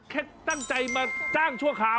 แค่ตั้งใจมาจ้างชั่วคราว